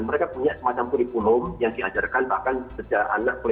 mereka punya semacam kurikulum yang diajarkan bahkan sejak anak berusia